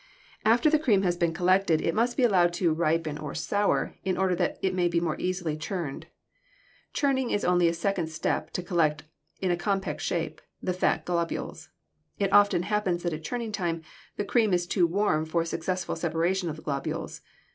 After the cream has been collected, it must be allowed to "ripen" or to "sour" in order that it may be more easily churned. Churning is only a second step to collect in a compact shape the fat globules. It often happens that at churning time the cream is too warm for successful separation of the globules.